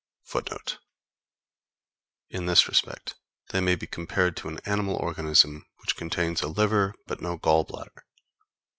[Footnote 1: In this respect they may be compared to an animal organism which contains a liver but no gall bladder.